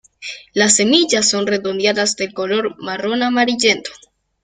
Las semillas son redondeadas de color marrón amarillento.